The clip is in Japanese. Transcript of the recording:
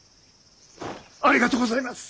ありがとうございます。